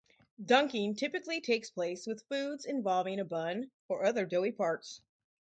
Dunking typically takes place with foods involving a bun or other doughy parts.